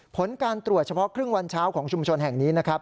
ผลการตรวจเฉพาะครึ่งวันเช้าของชุมชนแห่งนี้นะครับ